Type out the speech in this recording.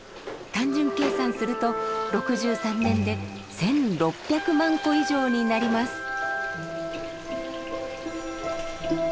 単純計算すると６３年で１，６００万個以上になります。